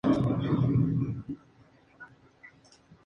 Louis" para su última temporada en "Grandes Ligas".